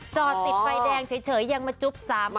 จอติดไฟแดงเฉยยังมาจุ๊บ๓พันงกว้อเลย